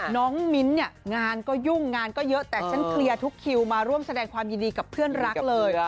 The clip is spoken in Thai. มิ้นท์เนี่ยงานก็ยุ่งงานก็เยอะแต่ฉันเคลียร์ทุกคิวมาร่วมแสดงความยินดีกับเพื่อนรักเลย